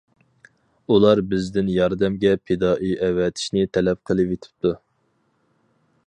ئۇلار بىزدىن ياردەمگە پىدائىي ئەۋەتىشنى تەلەپ قىلىۋېتىپتۇ.